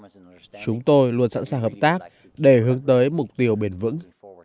chúng tôi luôn sẵn sàng hợp tác để hướng tới mục tiêu bền vững